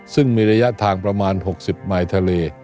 ซึ่งมีระยะทางประมาณ๖๐มายทะเล